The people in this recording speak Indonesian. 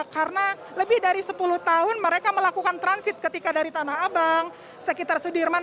karena lebih dari sepuluh tahun mereka melakukan transit ketika dari tanah abang sekitar sudirman